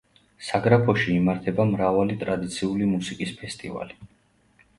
საგრაფოში იმართება მრავალი ტრადიციული მუსიკის ფესტივალი.